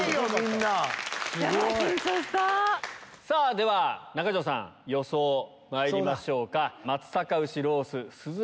では中条さん予想まいりましょうか。